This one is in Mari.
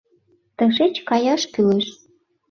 - Тышеч каяш кӱлеш.